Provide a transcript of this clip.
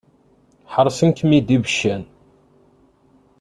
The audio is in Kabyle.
Ḥaṛṣen-kem-id ibeccan.